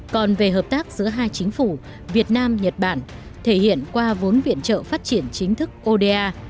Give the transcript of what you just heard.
còn về hợp tác giữa hai chính phủ việt nam nhật bản thể hiện qua vốn viện trợ phát triển chính thức oda